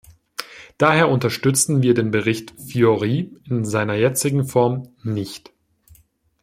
Daher unterstützen wir den Bericht Fiori in seiner jetzigen Form nicht.